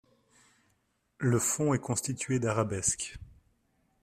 Le fond est constitué d’arabesques.